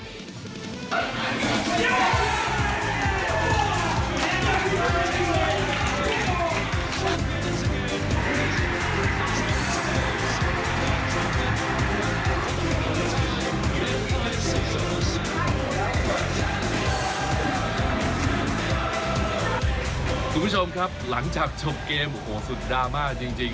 คุณผู้ชมครับหลังจากจบเกมโอ้โหสุดดราม่าจริง